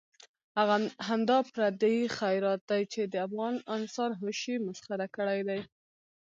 همدا پردی خیرات دی چې د افغان انسان هوش یې مسخره کړی دی.